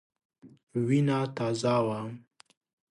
وینه تازه وه.